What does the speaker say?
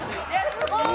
すごい。